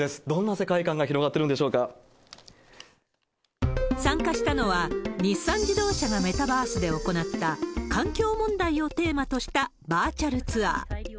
どんな世界観が広がっているんで参加したのは、日産自動車がメタバースで行った環境問題をテーマとしたバーチャルツアー。